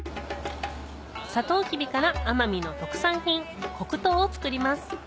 サトウキビから奄美の特産品黒糖を作ります